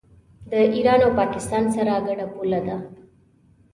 د ایران او پاکستان سره ګډه پوله ده.